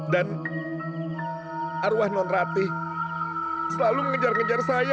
dan arwah non rati selalu mengejar ngejar saya nyonya